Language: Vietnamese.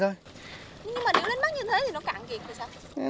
nhưng mà nếu đánh bắt như thế thì nó cạn kiệt thì sao